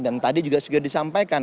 dan tadi juga sudah disampaikan